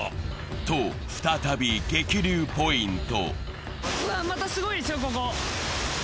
と、再び激流ポイント。